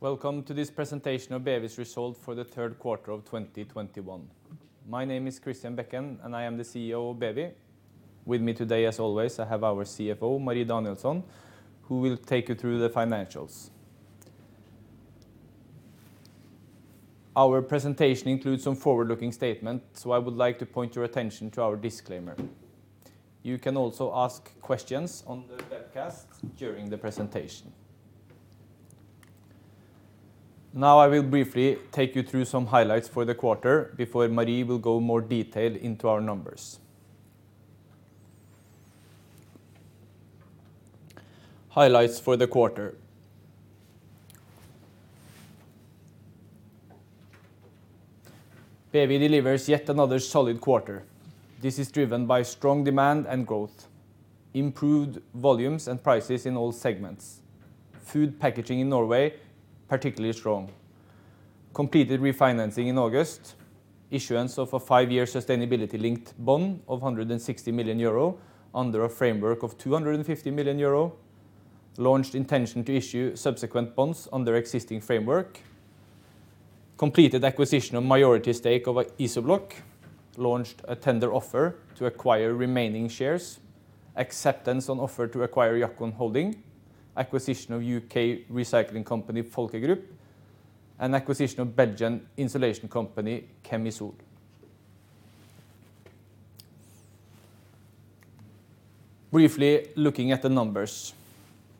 Welcome to this presentation of BEWI's result for the third quarter of 2021. My name is Christian Bekken, and I am the CEO of BEWI. With me today, as always, I have our CFO, Marie Danielsson, who will take you through the financials. Our presentation includes some forward-looking statements, so I would like to point your attention to our disclaimer. You can also ask questions on the webcast during the presentation. Now, I will briefly take you through some highlights for the quarter before Marie will go more detailed into our numbers. Highlights for the quarter. BEWI delivers yet another solid quarter. This is driven by strong demand and growth, improved volumes and prices in all segments. Food packaging in Norway, particularly strong. Completed refinancing in August. Issuance of a five-year sustainability-linked bond of 160 million euro under a framework of 250 million euro. Launched intention to issue subsequent bonds under existing framework. Completed acquisition of majority stake of IZOBLOK. Launched a tender offer to acquire remaining shares. Acceptance on offer to acquire Jackon Holding. Acquisition of U.K. recycling company Volker-Gruppe and acquisition of Belgian insulation company Kemisol. Briefly looking at the numbers.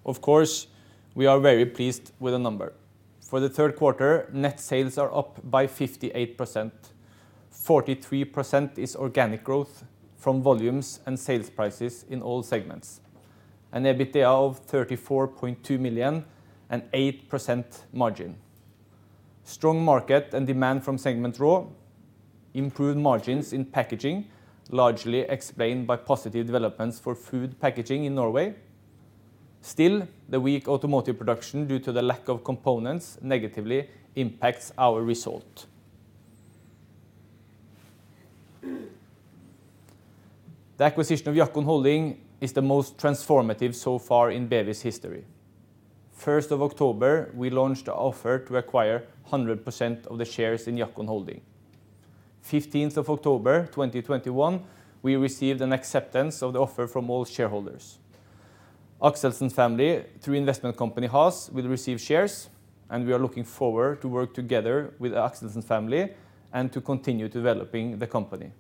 Of course, we are very pleased with the number. For the third quarter, net sales are up by 58%. 43% is organic growth from volumes and sales prices in all segments. An EBITDA of 34.2 million and 8% margin. Strong market and demand from segment RAW improved margins in Packaging, largely explained by positive developments for food packaging in Norway. Still, the weak automotive production, due to the lack of components, negatively impacts our result. The acquisition of Jackon Holding is the most transformative so far in BEWI's history. 1st of October, we launched an offer to acquire 100% of the shares in Jackon Holding. 15th of October 2021, we received an acceptance of the offer from all shareholders. Akselsen family, through investment company HAAS, will receive shares, and we are looking forward to work together with Akselsen family and to continue developing the company.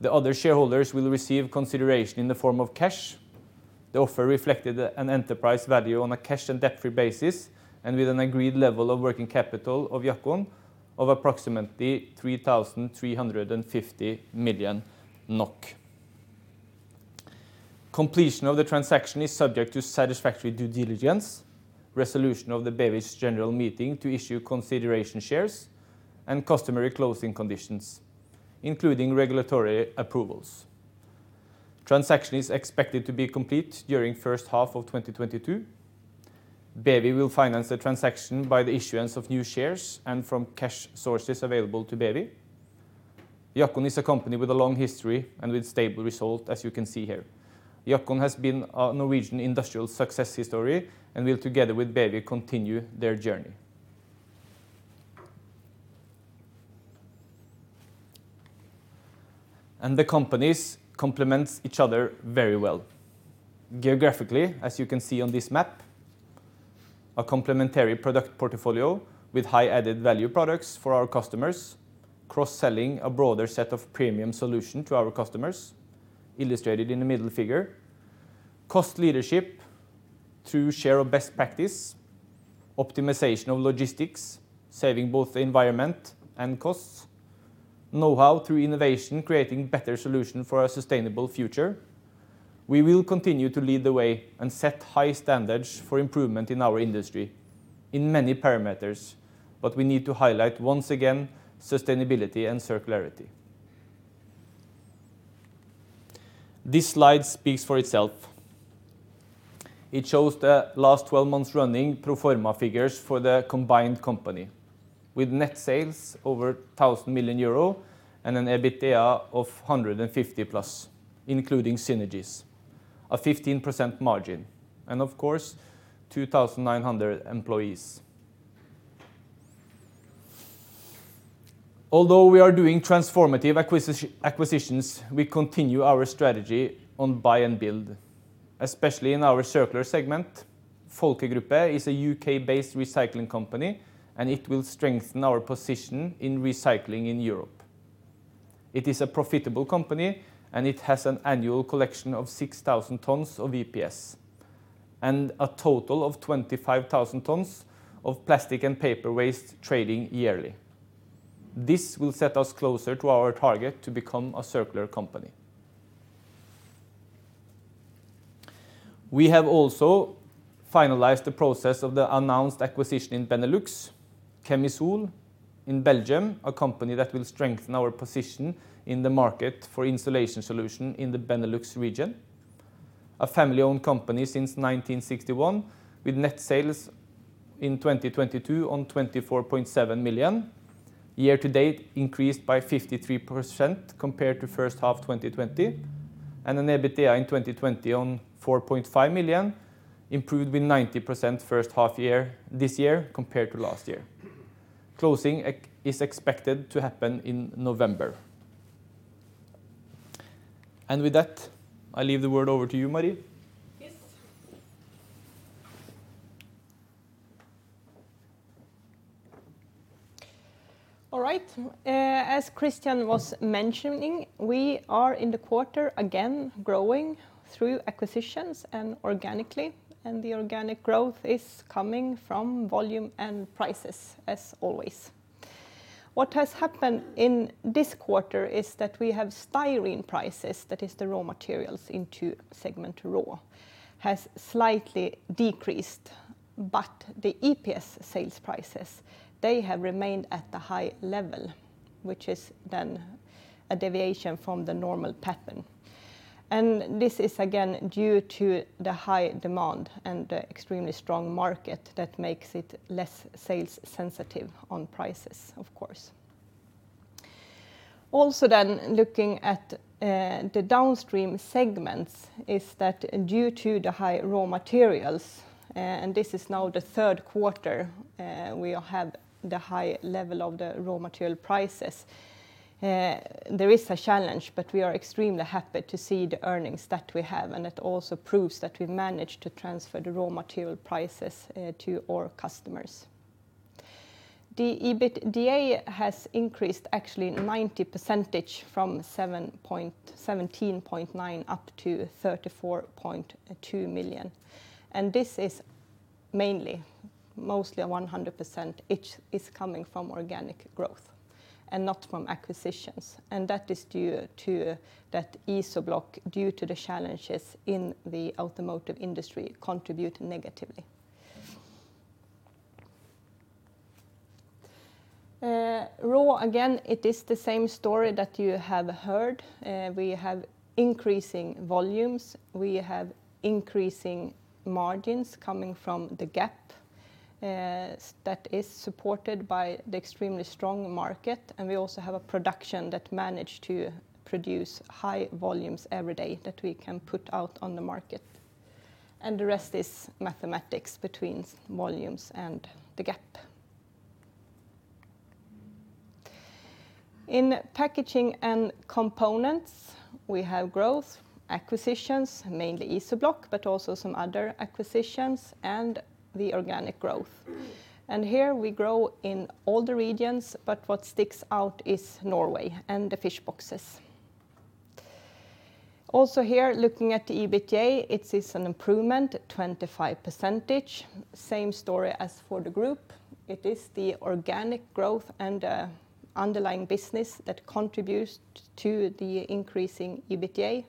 The other shareholders will receive consideration in the form of cash. The offer reflected an enterprise value on a cash and debt-free basis and with an agreed level of working capital of Jackon of approximately NOK 3,350 million. Completion of the transaction is subject to satisfactory due diligence, resolution of the BEWI's general meeting to issue consideration shares and customary closing conditions, including regulatory approvals. Transaction is expected to be complete during first half of 2022. BEWI will finance the transaction by the issuance of new shares and from cash sources available to BEWI. Jackon is a company with a long history and with stable results, as you can see here. Jackon has been a Norwegian industrial success story and will, together with BEWI, continue their journey. The companies complement each other very well. Geographically, as you can see on this map, a complementary product portfolio with high added value products for our customers, cross-selling a broader set of premium solutions to our customers, illustrated in the middle figure. Cost leadership through sharing best practices. Optimization of logistics, saving both the environment and costs. Know-how through innovation, creating better solutions for a sustainable future. We will continue to lead the way and set high standards for improvement in our industry in many parameters, but we need to highlight once again sustainability and circularity. This slide speaks for itself. It shows the last 12 months running pro forma figures for the combined company with net sales over 1,000 million euro and an EBITDA of 150 million+, including synergies, a 15% margin and of course, 2,900 employees. Although we are doing transformative acquisitions, we continue our strategy on buy and build, especially in our Circular segment. Volker-Gruppe is a U.K.-based recycling company, and it will strengthen our position in recycling in Europe. It is a profitable company, and it has an annual collection of 6,000 tons of EPS and a total of 25,000 tons of plastic and paper waste trading yearly. This will set us closer to our target to become a circular company. We have also finalized the process of the announced acquisition in Benelux, Kemisol in Belgium, a company that will strengthen our position in the market for insulation solution in the Benelux region. A family-owned company since 1961, with net sales in 2022 of 24.7 million. Year-to-date increased by 53% compared to first half 2020, and an EBITDA in 2020 of 4.5 million, improved by 90% first half year this year compared to last year. Closing is expected to happen in November. With that, I leave the word over to you, Marie. Yes. All right. As Christian was mentioning, we are in the quarter again growing through acquisitions and organically, and the organic growth is coming from volume and prices as always. What has happened in this quarter is that we have styrene prices, that is the raw materials into segment RAW, has slightly decreased, but the EPS sales prices, they have remained at the high level, which is then a deviation from the normal pattern. This is again due to the high demand and the extremely strong market that makes it less sales sensitive on prices, of course. Also looking at the downstream segments is that due to the high raw materials, and this is now the third quarter, we have the high level of the raw material prices. There is a challenge, but we are extremely happy to see the earnings that we have, and it also proves that we managed to transfer the raw material prices to our customers. The EBITDA has increased actually 90% from 17.9 million up to 34.2 million, and this is mainly, mostly 100%, it is coming from organic growth and not from acquisitions, and that is due to that IZOBLOK, due to the challenges in the automotive industry, contribute negatively. RAW again, it is the same story that you have heard. We have increasing volumes, we have increasing margins coming from the GAP, that is supported by the extremely strong market, and we also have a production that manage to produce high volumes every day that we can put out on the market. The rest is mathematics between volumes and the gap. In packaging and components, we have growth, acquisitions, mainly IZOBLOK, but also some other acquisitions, and the organic growth. Here we grow in all the regions, but what sticks out is Norway and the fish boxes. Also here, looking at the EBITDA, it is an improvement, 25%. Same story as for the group. It is the organic growth and underlying business that contributes to the increasing EBITDA.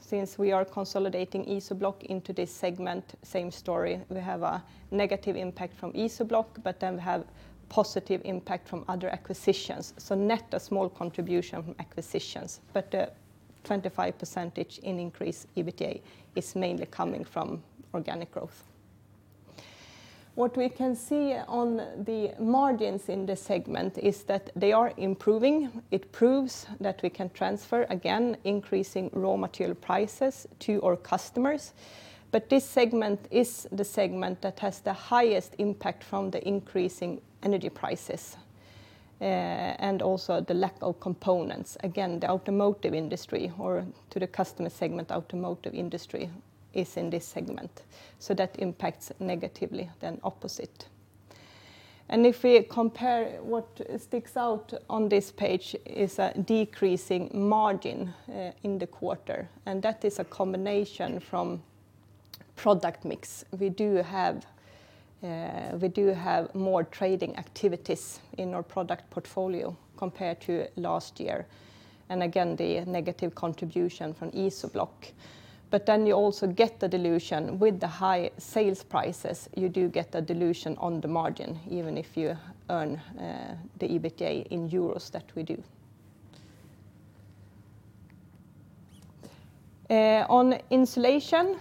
Since we are consolidating IZOBLOK into this segment, same story, we have a negative impact from IZOBLOK, but then we have positive impact from other acquisitions. Net, a small contribution from acquisitions, but 25% in increased EBITDA is mainly coming from organic growth. What we can see on the margins in this segment is that they are improving. It proves that we can transfer, again, increasing raw material prices to our customers. This segment is the segment that has the highest impact from the increasing energy prices, and also the lack of components. Again, the automotive industry our customer segment, automotive industry is in this segment. That impacts negatively, the opposite. If we compare what sticks out on this page is a decreasing margin in the quarter, and that is a combination from product mix. We do have more trading activities in our product portfolio compared to last year, and again, the negative contribution from IZOBLOK. Then you also get the dilution with the high sales prices, you do get a dilution on the margin, even if you earn the EBITDA in euros that we do. On insulation,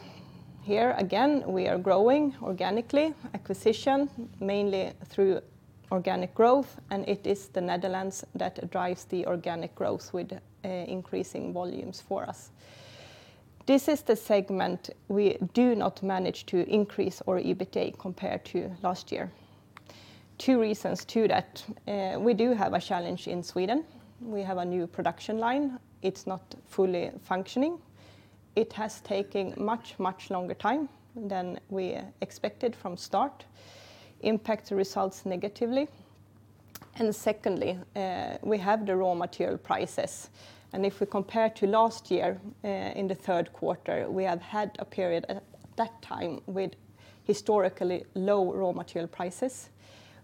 here again, we are growing organically and through acquisitions, mainly through organic growth, and it is the Netherlands that drives the organic growth with increasing volumes for us. This is the segment we do not manage to increase our EBITDA compared to last year. Two reasons for that. We have a challenge in Sweden. We have a new production line. It's not fully functioning. It has taken much longer time than we expected from start and impacts results negatively. Secondly, we have the raw material prices. If we compare to last year, in the third quarter, we have had a period at that time with historically low raw material prices.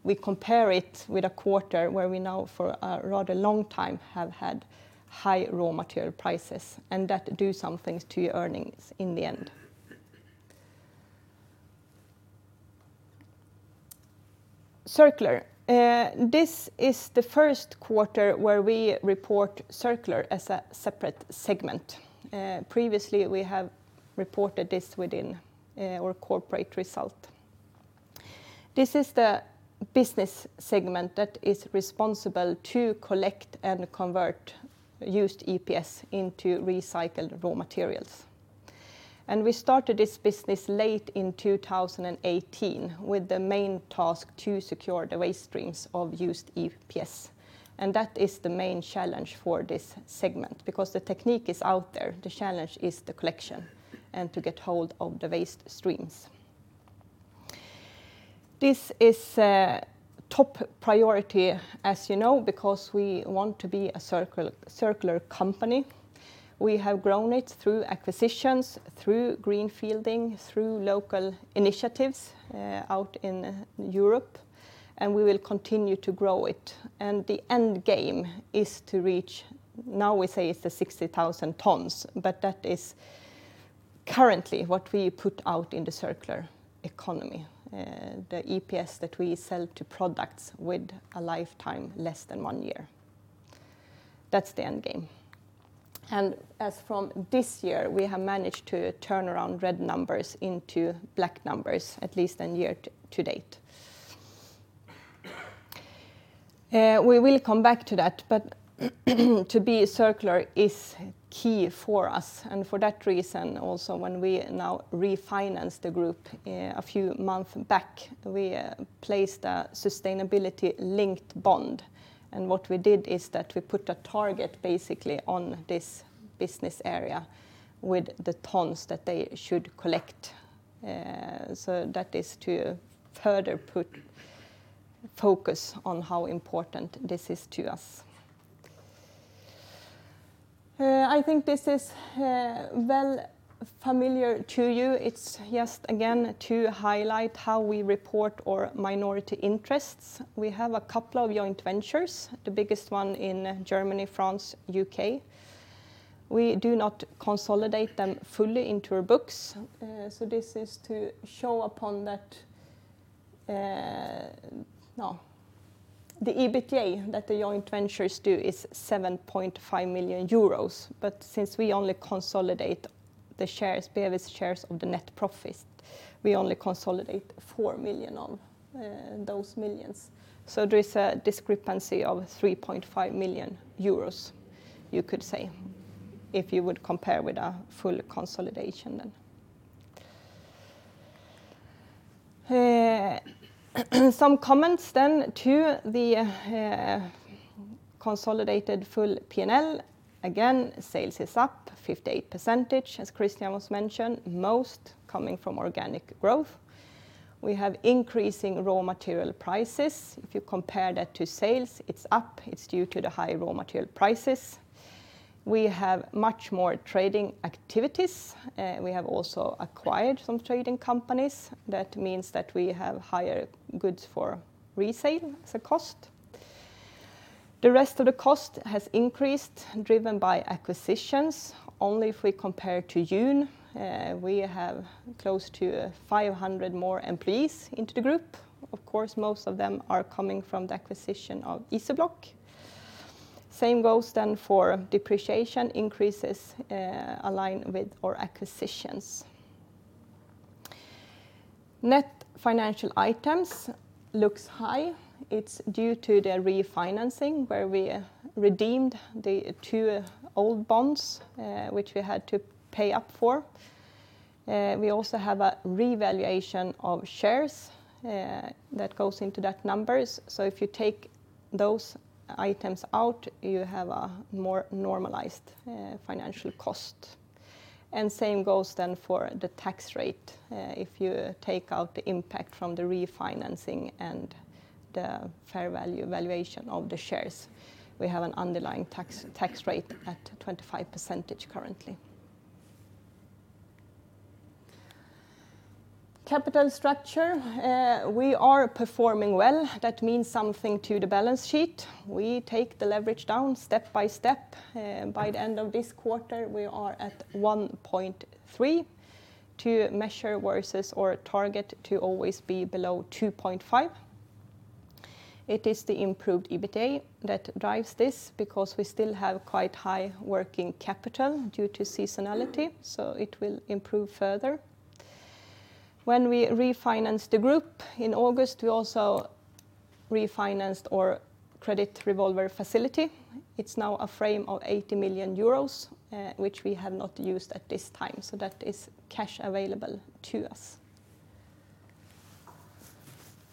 We compare it with a quarter where we now for a rather long time have had high raw material prices, and that do some things to your earnings in the end. Circular, this is the first quarter where we report Circular as a separate segment. Previously, we have reported this within our corporate result. This is the business segment that is responsible to collect and convert used EPS into recycled raw materials. We started this business late in 2018, with the main task to secure the waste streams of used EPS. That is the main challenge for this segment because the technique is out there, the challenge is the collection and to get hold of the waste streams. This is a top priority, as you know, because we want to be a circular company. We have grown it through acquisitions, through green fielding, through local initiatives out in Europe, and we will continue to grow it. The end game is to reach. Now we say it's the 60,000 tons, but that is currently what we put out in the circular economy, the EPS that we sell to products with a lifetime less than one year. That's the end game. As from this year, we have managed to turn around red numbers into black numbers, at least in year-to-date. We will come back to that, but to be circular is key for us. For that reason, also, when we now refinance the group a few months back, we placed a sustainability-linked bond. What we did is that we put a target basically on this business area with the tons that they should collect, so that is to further put focus on how important this is to us. I think this is familiar to you. It's just again, to highlight how we report our minority interests. We have a couple of joint ventures, the biggest one in Germany, France, U.K. We do not consolidate them fully into our books, so this is to show up on that. The EBITDA that the joint ventures do is 7.5 million euros. But since we only consolidate the shares, BEWI's shares of the net profits, we only consolidate 4 million of those millions. There is a discrepancy of 3.5 million euros, you could say, if you would compare with a full consolidation then. Some comments to the consolidated full P&L. Again, sales is up 58%, as Christian also mentioned, most coming from organic growth. We have increasing raw material prices. If you compare that to sales, it's up. It's due to the high raw material prices. We have much more trading activities. We have also acquired some trading companies. That means that we have higher goods for resale as a cost. The rest of the cost has increased, driven by acquisitions. Only if we compare to June, we have close to 500 more employees into the group. Of course, most of them are coming from the acquisition of IZOBLOK. Same goes then for depreciation increases, aligned with our acquisitions. Net financial items looks high. It's due to the refinancing where we redeemed the two old bonds, which we had to pay up for. We also have a revaluation of shares, that goes into that numbers. If you take those items out, you have a more normalized, financial cost. Same goes then for the tax rate. If you take out the impact from the refinancing and the fair value valuation of the shares, we have an underlying tax rate at 25% currently. Capital structure, we are performing well. That means something to the balance sheet. We take the leverage down step by step. By the end of this quarter, we are at 1.3x EBITDA versus our target to always be below 2.5x. It is the improved EBITDA that drives this because we still have quite high working capital due to seasonality, so it will improve further. When we refinanced the group in August, we also refinanced our credit revolver facility. It's now a facility of 80 million euros, which we have not used at this time. That is cash available to us.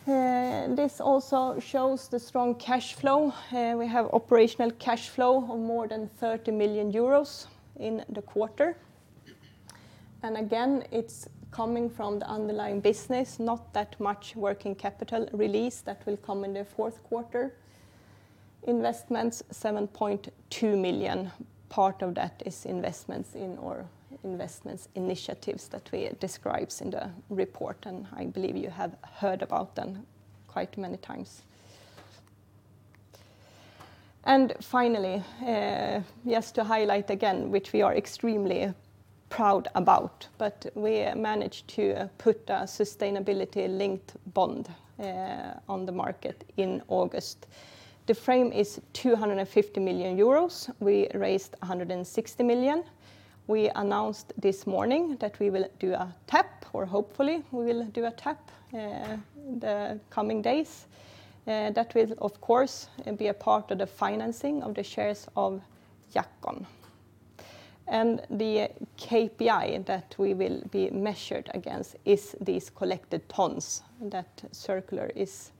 This also shows the strong cash flow. We have operational cash flow of more than 30 million euros in the quarter. Again, it's coming from the underlying business, not that much working capital release that will come in the fourth quarter. Investments, 7.2 million. Part of that is investments in our investments initiatives that we describe in the report, and I believe you have heard about them quite many times. Finally, just to highlight again, which we are extremely proud about, but we managed to put a sustainability-linked bond on the market in August. The frame is 250 million euros. We raised 160 million. We announced this morning that we will do a tap, or hopefully we will do a tap, the coming days. That will of course be a part of the financing of the shares of Jackon. The KPI that we will be measured against is these collected tons that Circular is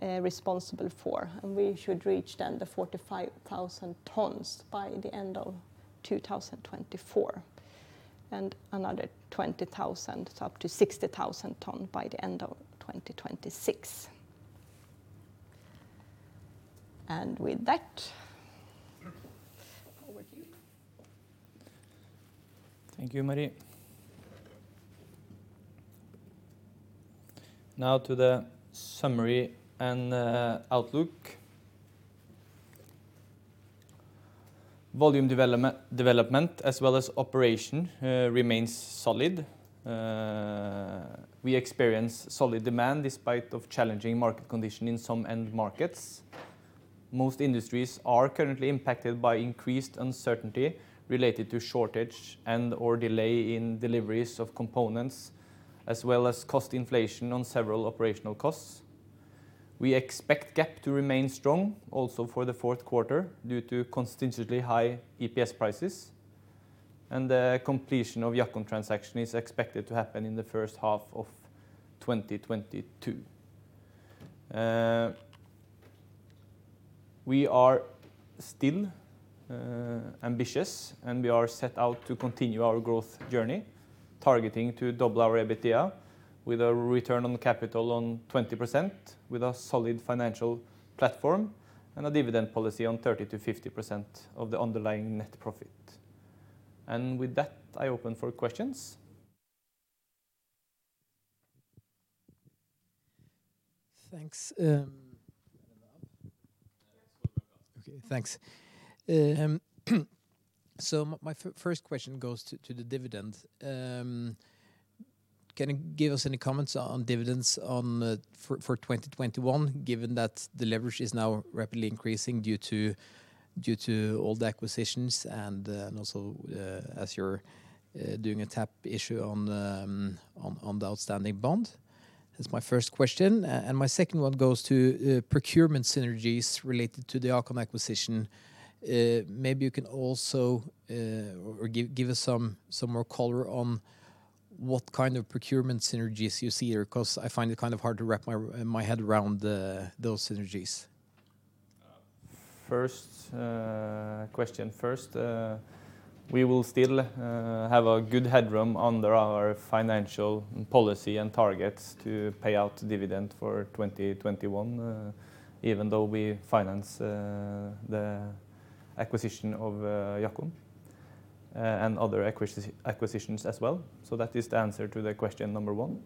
responsible for. We should reach then the 45,000 tons by the end of 2024, and another 20,000, up to 60,000 tons by the end of 2026. With that, over to you. Thank you, Marie. Now to the summary and outlook. Volume development as well as operation remains solid. We experience solid demand despite challenging market conditions in some end markets. Most industries are currently impacted by increased uncertainty related to shortage and/or delay in deliveries of components, as well as cost inflation on several operational costs. We expect GAP to remain strong also for the fourth quarter due to consistently high EPS prices. The completion of Jackon transaction is expected to happen in the first half of 2022. We are still ambitious, and we are set out to continue our growth journey, targeting to double our EBITDA with a return on capital on 20% with a solid financial platform and a dividend policy on 30%-50% of the underlying net profit. With that, I open for questions. Thanks. Is the mic on? Okay. Thanks. My first question goes to the dividend. Can you give us any comments on dividends for 2021, given that the leverage is now rapidly increasing due to all the acquisitions and also as you're doing a tap issue on the outstanding bond? That's my first question. My second one goes to procurement synergies related to the Jackon acquisition. Maybe you can also give us some more color on what kind of procurement synergies you see here, because I find it kind of hard to wrap my head around those synergies. First question first, we will still have a good headroom under our financial policy and targets to pay out dividend for 2021, even though we finance the acquisition of Jackon and other acquisitions as well. That is the answer to the question number one.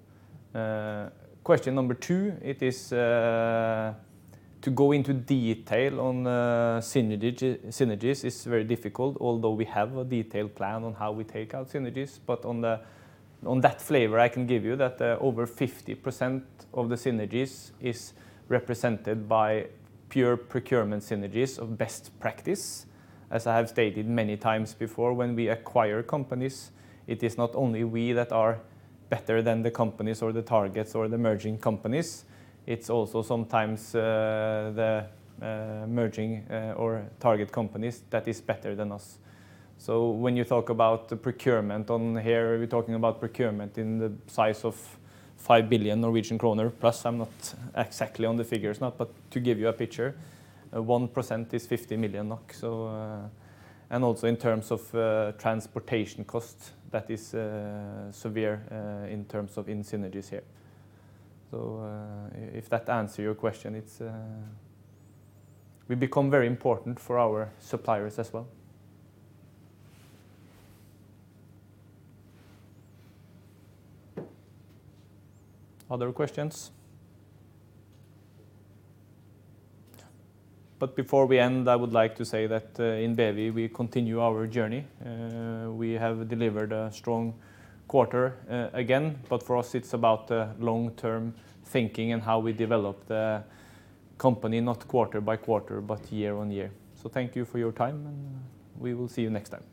Question number two, it is to go into detail on synergies is very difficult, although we have a detailed plan on how we take out synergies. On that front, I can give you that over 50% of the synergies is represented by pure procurement synergies of best practice. As I have stated many times before, when we acquire companies, it is not only we that are better than the companies or the targets or the merging companies, it's also sometimes the merging or target companies that is better than us. When you talk about the procurement on here, we're talking about procurement in the size of 5 billion Norwegian kroner+. I'm not exactly on the figures now, but to give you a picture, 1% is 50 million NOK. Also in terms of transportation costs, that is severe in terms of synergies here. If that answer your question, it's we become very important for our suppliers as well. Other questions? Before we end, I would like to say that in BEWI, we continue our journey. We have delivered a strong quarter, again, but for us it's about long-term thinking and how we develop the company, not quarter-by-quarter, but year-on-year. Thank you for your time, and we will see you next time.